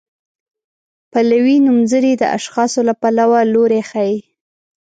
پلوي نومځري د اشخاصو له پلوه لوری ښيي.